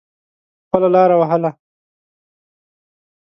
خپله لاره وهله.